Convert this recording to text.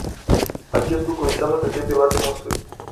Acest lucru înseamnă că trebuie luate măsuri.